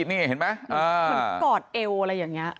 เหมือนกัดเอวอะไรอย่างเนีย